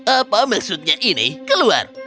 apa maksudnya ini keluar